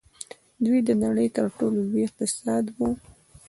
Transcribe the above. دوی د نړۍ تر ټولو لوی اقتصاد وو.